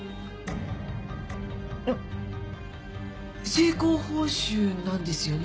成功報酬なんですよね？